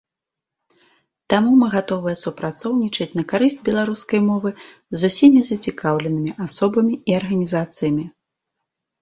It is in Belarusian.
Таму мы гатовыя супрацоўнічаць на карысць беларускай мовы з усімі зацікаўленымі асобамі і арганізацыямі.